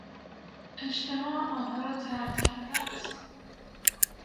اجتماع آنها را طرد کرده است.